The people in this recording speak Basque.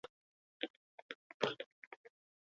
Bozketa eztabaida hasi aurretik egin dute.